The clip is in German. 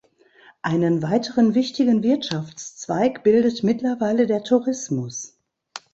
Einen weiteren wichtigen Wirtschaftszweig bildet mittlerweile der Tourismus.